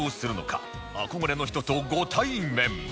憧れの人とご対面